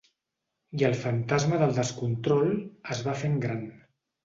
I el fantasma del descontrol es va fent gran.